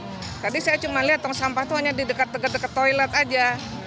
tadi saya cuma lihat tong sampah itu hanya di dekat dekat toilet aja